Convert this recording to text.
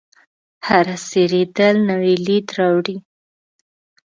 هره څیرېدل نوی لید راوړي.